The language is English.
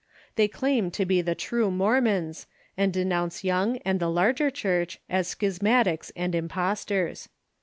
They claim to be the true Mormons, and denounce Young and the larger Church as schismatics and impostors.